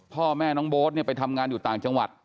พ่อแม่น้องโบ๊ทไปทำงานอยู่ต่างจังหวัด